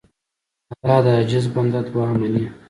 الله د عاجز بنده دعا منې.